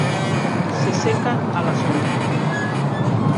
Se seca a la sombra.